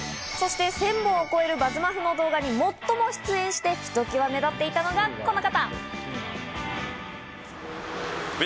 そして１０００本を超える『ＢＵＺＺＭＡＦＦ』の動画に最も出演して、ひと際目立っていたのがこの方。